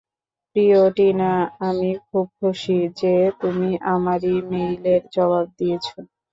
প্রিয় টিনা, আমি খুব খুশি যে, তুমি আমার ই-মেইলের জবাব দিয়েছো।